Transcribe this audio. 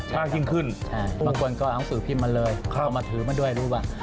มากยิ่งขึ้นบางคนก็เอาสือพิมพ์มาเลยเข้ามาถือมาด้วยรู้ว่า